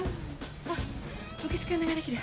あっ受付お願いできる？